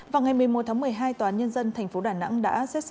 vào ngày một mươi một tháng một mươi hai tòa án nhân dân tp đà nẵng đã xét xử